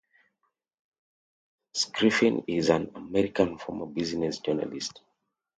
Schiffrin is an American former business journalist.